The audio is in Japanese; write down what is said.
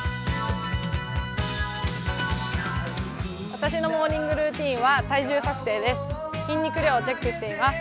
私のモーニングルーティンは体重測定です。